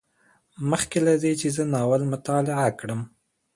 مخکې له دې چې زه ناول مطالعه کړم